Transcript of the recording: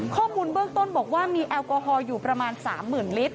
ข้อมูลเบื้องต้นบอกว่ามีแอลกอฮอลอยู่ประมาณ๓๐๐๐ลิตร